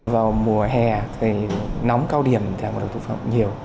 vào mùa hè thì nóng cao điểm theo ngộ độc thực phẩm nhiều